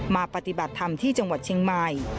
ปฏิบัติธรรมที่จังหวัดเชียงใหม่